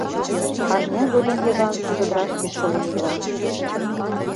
Арня годым Йыван чодыраште шылын ила...